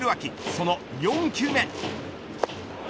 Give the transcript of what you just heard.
その４球目。